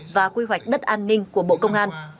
và quy hoạch đất an ninh của bộ công an